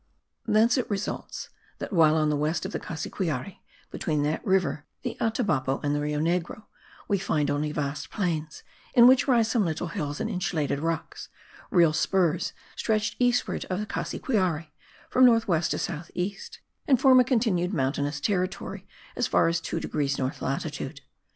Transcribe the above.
Thence it results that, while on the west of the Cassiquiare, between that river, the Atabapo, and the Rio Negro, we find only vast plains, in which rise some little hills and insulated rocks; real spurs stretch eastward of the Cassiquiare, from north west to south east, and form a continued mountainous territory as far as 2 degrees north latitude.